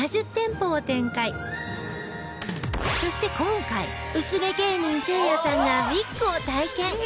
そして今回薄毛芸人せいやさんがウィッグを体験！